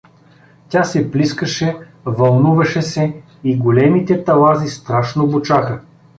Тя се плискаше, вълнуваше се и големите талази страшно бучаха.